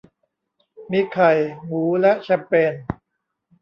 มีไข่ หมู และแชมเปญ